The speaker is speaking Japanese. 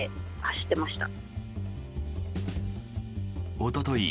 おととい